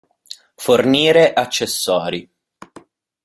Fornire accessori.